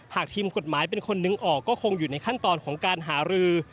ทีมกฎหมายเป็นคนนึงออกก็คงอยู่ในขั้นตอนของการหารือ